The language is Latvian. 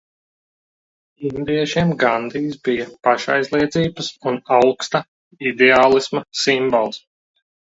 Indiešiem Gandijs bija pašaizliedzības un augsta ideālisma simbols.